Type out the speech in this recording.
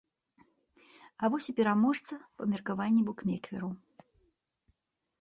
А вось і пераможца па меркаванні букмекераў.